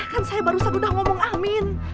kan saya baru saja udah ngomong amin